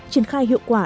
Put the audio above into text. triển khai hiệu quả